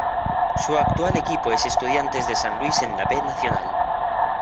Su actual equipo es Estudiantes de San Luis en la B Nacional.